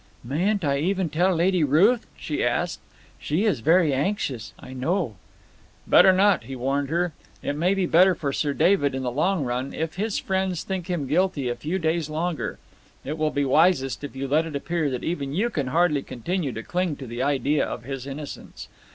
"Mayn't I even tell Lady Ruth?" she asked. "She is very anxious, I know." "Better not," he warned her. "It may be better for Sir David in the long run, if his friends think him guilty a few days longer. It will be wisest if you let it appear that even you can hardly continue to cling to the idea of his innocence.